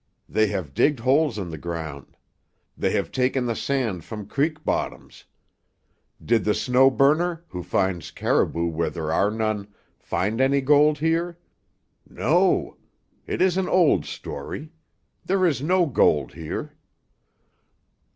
They have digged holes in the ground. They have taken the sand from creek bottoms. Did the Snow Burner, who finds caribou where there are none, find any gold here? No. It is an old story. There is no gold here."